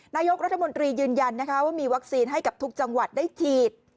นายกรัฐมนตรียืนยันนะคะว่ามีวัคซีนให้กับทุกจังหวัดได้ฉีด